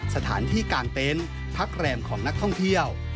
สถานที่กลางเต็นต์พักแรมของนักท่องเที่ยว